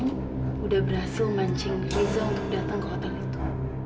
sudah berhasil mancing riza untuk datang ke hotel itu